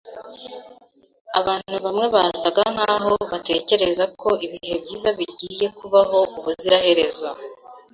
Abantu bamwe basaga nkaho batekereza ko ibihe byiza bigiye kubaho ubuziraherezo.